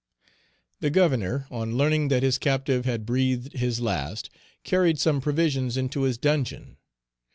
The Governor, on learning that his captive had breathed his last, carried some provisions into his dungeon.